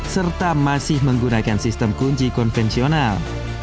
serta masih menggunakan sistem kunci konvensional